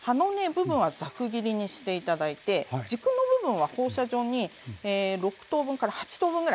部分はざく切りにして頂いて軸の部分は放射状に６等分から８等分ぐらい。